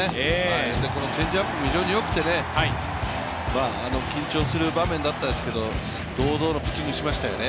このチェンジアップも非常によくてね、緊張する場面だったですけど、堂々のピッチングをしましたね。